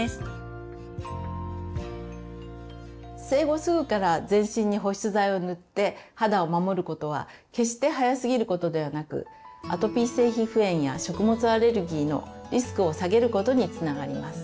生後すぐから全身に保湿剤を塗って肌を守ることは決して早すぎることではなくアトピー性皮膚炎や食物アレルギーのリスクを下げることにつながります。